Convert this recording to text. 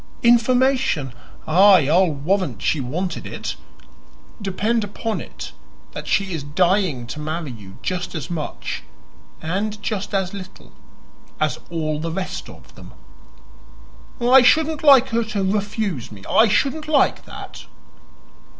"Information? Aye, I'll warrant she wanted it. Depend upon it that she is dying to marry you just as much and just as little as all the rest of them." "I shouldn't like her to refuse me I shouldn't like that."